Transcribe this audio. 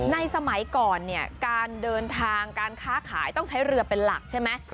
สมัยก่อนเนี่ยการเดินทางการค้าขายต้องใช้เรือเป็นหลักใช่ไหม